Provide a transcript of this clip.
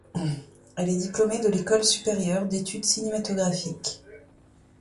Elle est diplômée de l'École supérieure d'études cinématographiques.